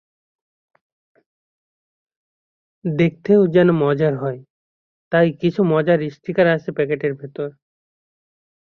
দেখতেও যেন মজার হয়, তাই কিছু মজার স্টিকার আছে প্যাকেটের ভেতর।